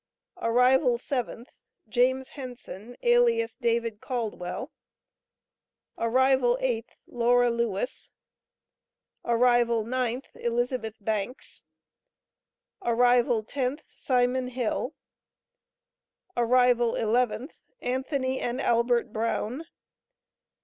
Arrival 7th. James Henson, alias David Caldwell. Arrival 8th. Laura Lewis. Arrival 9th. Elizabeth Banks. Arrival 10th. Simon Hill. Arrival 11th. Anthony and Albert Brown.